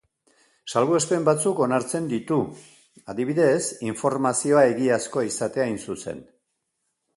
Salbuespen batzuk onartzen ditu, adibidez, informazioa egiazkoa izatea hain zuzen.